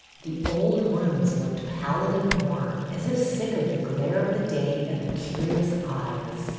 The old rooms looked pallid and worn, as if sick of the glare of the day and the curious eyes.